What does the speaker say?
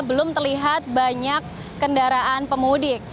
belum terlihat banyak kendaraan pemudik